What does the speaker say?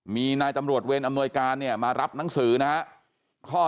มีนายตำรวจเวรอำนวยการเนี่ยมารับหนังสือนะครับ